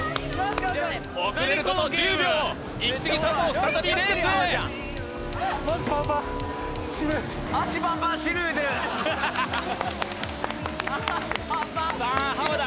遅れること１０秒イキスギさんも再びレースへさあ田